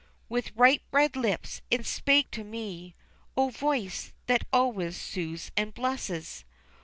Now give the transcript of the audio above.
With ripe red lips it spake to me, O voice, that always soothes and blesses!